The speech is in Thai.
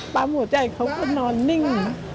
ปั๊มหัวใจเขาก็นอนนิ่ง